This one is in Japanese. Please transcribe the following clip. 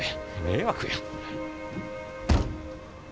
迷惑や。